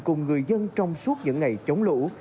cùng người dân trong suốt những ngày chống lũ